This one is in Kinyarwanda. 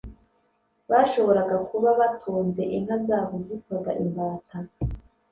bashoboraga kuba batunze inka z'abo zitwaga "imbata'"